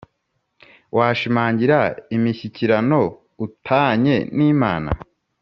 washimangira imishyikirano u tanye n Imana